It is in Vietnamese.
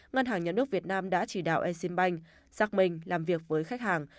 ngân hàng nhà nước việt nam đã chỉ đạo exim bank xác minh làm việc với khách hàng